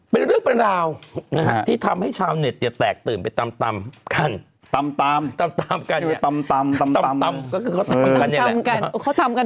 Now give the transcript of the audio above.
เป็นเรื่องเป็นราวที่ทำให้ชาวเน็ตเดี๋ยวแตกตื่นไปตำตำกันตำตำก็คือเขาทำกันกันนี่แหละ